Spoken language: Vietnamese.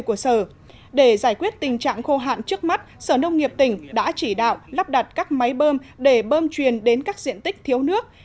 của sở để giải quyết tình trạng khô hạn trước mắt sở nông nghiệp tỉnh đã chỉ đạo lắp đặt các máy bơm để bơm truyền đến các diện tích thiếu nước